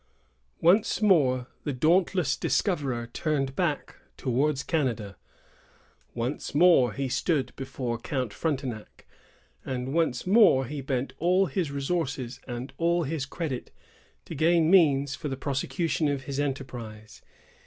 Once more the dauntless discoverer turned back towards Canada. Once more he stood before Count Frontenac, and once more bent all his resources and all his credit to gain means for the prosecution of his enterprise.